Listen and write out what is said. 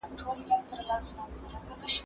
زه اوږده وخت مړۍ پخوم،